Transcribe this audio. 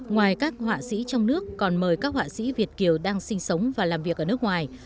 ngoài các họa sĩ trong nước còn mời các họa sĩ việt kiều đang sinh sống và làm việc ở nước ngoài